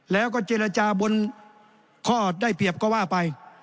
แล้วก็เจรจาบนข้อได้เปรียบก็ว่าไป